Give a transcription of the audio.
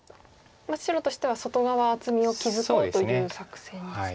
白としては外側厚みを築こうという作戦ですか。